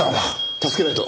助けないと。